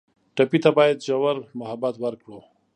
ټپي ته باید ژور محبت ورکړو.